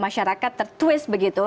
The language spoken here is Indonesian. masyarakat tertwist begitu